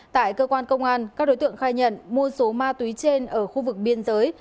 tại cơ quan công an các đối tượng khai nhận mua số ma túy trên ở khu vực biên giới